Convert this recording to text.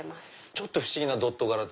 ちょっと不思議なドット柄。